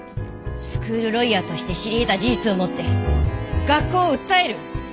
スクールロイヤーとして知りえた事実をもって学校を訴える。